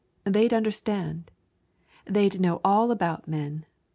They'd understand. They know all about men.